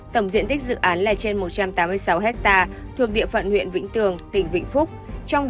tổng diện tích dự án là trên một trăm tám mươi sáu hectare thuộc địa phận huyện vĩnh tường tỉnh vĩnh phúc